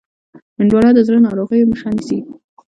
هندوانه د زړه ناروغیو مخه نیسي.